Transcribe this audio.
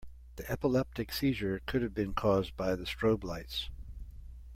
The epileptic seizure could have been cause by the strobe lights.